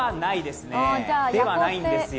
ではないんですよ。